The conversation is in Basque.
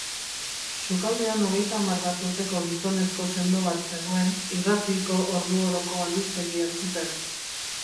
Sukaldean hogeita hamar bat urteko gizonezko sendo bat zegoen irratiko orduoroko albistegia entzuten.